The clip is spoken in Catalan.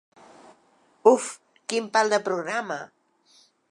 Uff, quin pal de programa.